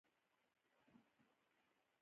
د سرو زرو نه زنګېږي.